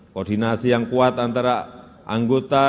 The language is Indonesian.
koordinasi yang kuat antara anggota